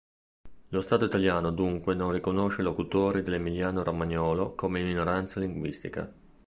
Lo Stato italiano dunque non riconosce i locutori dell'emiliano-romagnolo come minoranza linguistica.